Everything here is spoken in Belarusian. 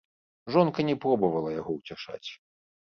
Жонка не пробавала яго ўцяшаць.